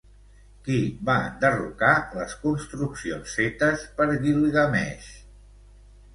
Qui va enderrocar les construccions fetes per Guilgameix?